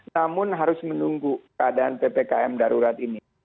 namun harus menunggu keadaan ppkm darurat ini